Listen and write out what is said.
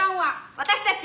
私たち！